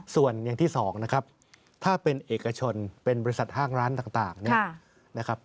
ส่วนอย่างที่สองนะครับถ้าเป็นเอกชนเป็นบริษัทห้างร้านต่างเนี่ยนะครับ